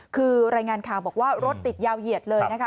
คือรายงานข่าวบอกว่ารถติดยาวเหยียดเลยนะคะ